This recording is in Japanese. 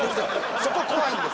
そこ怖いんです